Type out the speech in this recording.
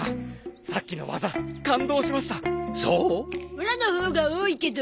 オラのほうが多いけど。